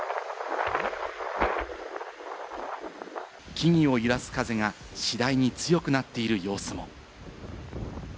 木々を揺らす風が次第に強くなっている様子も。